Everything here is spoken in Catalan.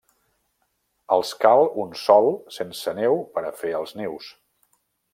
Els cal un sòl sense neu per a fer els nius.